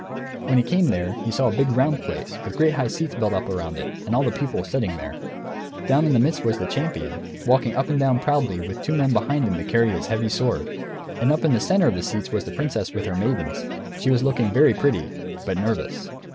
When he came there, he saw a big round place with great high seats built up around it, and all the people sitting there. Down in the midst was the champion, walking up and down proudly, with two men behind him to carry his heavy sword. And up in the centre of the seats was the princess, with her maidens; she was looking very pretty, but nervous.